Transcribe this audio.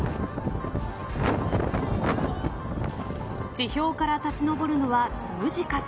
地表から立ち上るのはつむじ風。